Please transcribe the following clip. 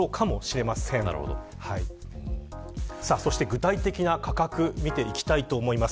具体的な価格を見ていきたいと思います。